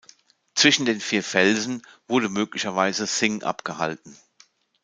Zwischen den vier Felsen wurde möglicherweise Thing abgehalten.